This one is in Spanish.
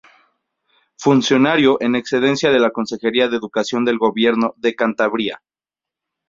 Funcionario en excedencia de la Consejería de Educación del Gobierno de Cantabria.